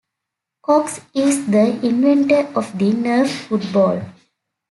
Cox is the inventor of the Nerf football.